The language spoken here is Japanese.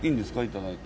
頂いて。